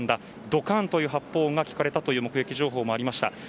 ドカンという発砲音が聞かれたという目撃情報もありました。